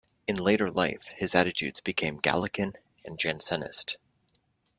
In later life his attitudes became Gallican and Jansenist.